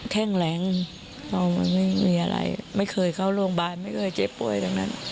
แข็งแรงมันไม่มีอะไรไม่เคยเข้าโรงพยาบาลไม่เคยเจ็บป่วยตรงนั้น